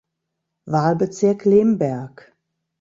Wahlbezirk Lemberg.